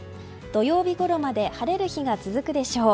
土曜日ごろまで晴れる日が続くでしょう。